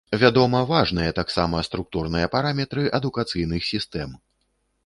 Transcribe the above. Вядома, важныя таксама структурныя параметры адукацыйных сістэм.